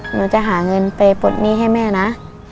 หนูจะหาเงินไปปลดหนี้ให้แม่นะ